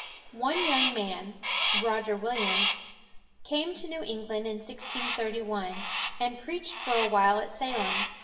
One young man, Roger Williams, came to New England in 1631, and preached for a while at Salem.